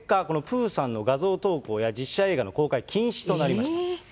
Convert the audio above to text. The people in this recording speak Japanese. その結果、このプーさんの画像投稿や実写映画の公開、禁止となりました。